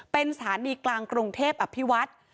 เป็นสถานีกลางกรุงเทพอภิวัฒน์